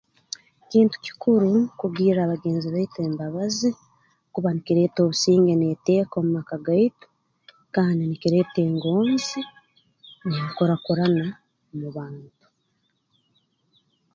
Kintu kikuru kugirra bagenzi baitu embabazi kuba nikireeta obusinge n'eteeka omu maka gaitu kandi nikireeta engonzi n'enkurakurana mu bantu